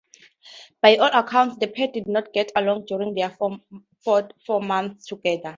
By all accounts, the pair did not get along during their four months together.